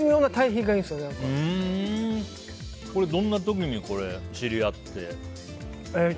これ、どんな時に知り合って？